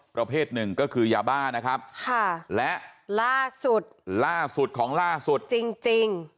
ประเภทหนึ่งก็คือยาบ้านะครับและล่าสุดของล่าสุดจริง